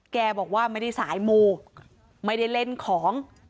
บอกว่าไม่ได้สายมูไม่ได้เล่นของ